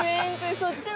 そっちの？